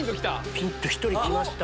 ピン！と１人来ました。